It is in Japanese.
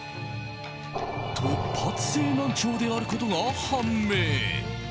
突発性難聴であることが判明。